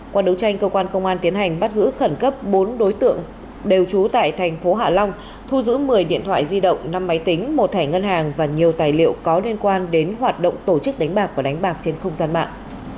qua đấu tranh cơ quan công an tiến hành bắt giữ khẩn cấp bốn đối tượng đều trú tại thành phố hạ long thu giữ một mươi điện thoại di động năm máy tính một thẻ ngân hàng và nhiều tài liệu có liên quan đến hoạt động tổ chức đánh bạc và đánh bạc trên không gian mạng